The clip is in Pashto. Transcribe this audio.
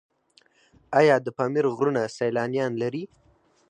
آیا د پامیر غرونه سیلانیان لري؟